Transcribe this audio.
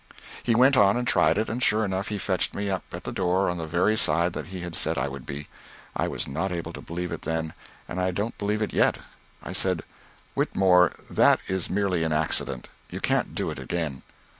He went on and tried it, and sure enough he fetched me up at the door on the very side that he had said I would be. I was not able to believe it then, and I don't believe it yet. I said, "Whitmore, that is merely an accident. You can't do it again."